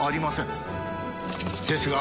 ですが。